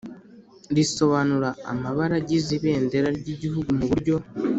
risobanura amabara agize Ibendera ry Igihugu mu buryo